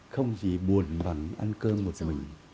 không gì buồn bằng ăn cơm một mình